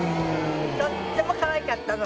とってもかわいかったの。